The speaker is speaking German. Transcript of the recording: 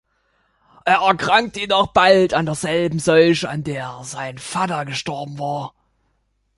Er erkrankte jedoch bald an derselben Seuche, an der sein Vater gestorben war.